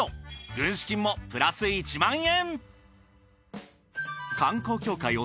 軍資金もプラス１万円！